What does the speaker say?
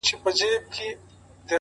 زه دې د سترگو په سکروټو باندې وسوځلم;